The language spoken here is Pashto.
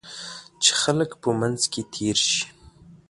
چې خلک په منځ کې تېر شي.